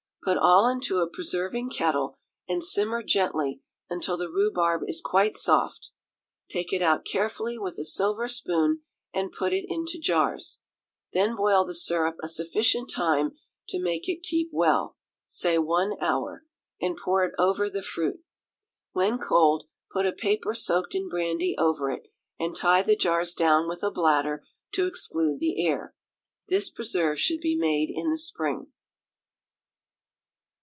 Put all into a preserving kettle, and simmer gently until the rhubarb is quite soft; take it out carefully with a silver spoon, and put it into jars; then boil the syrup a sufficient time to make it keep well, say one hour, and pour it over the fruit. When cold, put a paper soaked in brandy over it, and tie the jars down with a bladder to exclude the air. This preserve should be made in the spring.